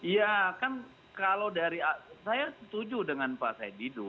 ya kan kalau dari saya setuju dengan pak saidido